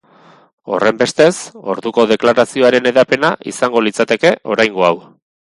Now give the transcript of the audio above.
Horrenbestez, orduko deklarazioaren hedapena izango litzateke oraingo hau.